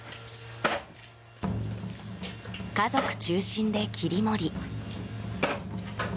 家族中心で切り盛り。